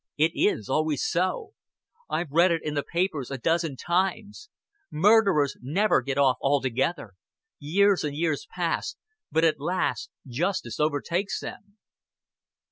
It is always so. I've read it in the papers a dozen times. Murderers never get off altogether. Years and years pass; but at last justice overtakes them."